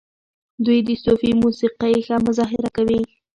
دوی د صوفي موسیقۍ ښه مظاهره کوي.